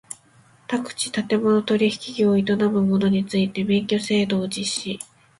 宅地建物取引業を営む者について免許制度を実施